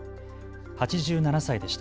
８７歳でした。